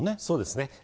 そうですね。